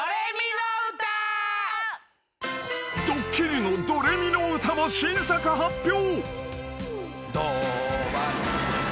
［『ドッキリのドレミのうた』も新作発表］